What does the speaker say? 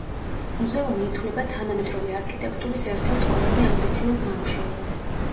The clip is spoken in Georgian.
მუზეუმი ითვლება თანამედროვე არქიტექტურის ერთ-ერთ ყველაზე ამბიციურ ნამუშევრად.